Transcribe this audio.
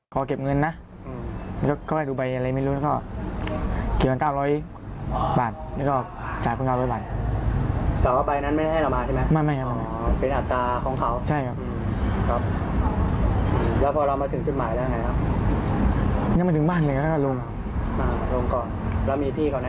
ตกลงก่อนแล้วมีพี่เขาแนะนำให้มาแจ้งความ